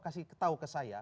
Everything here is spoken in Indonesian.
kasih tahu ke saya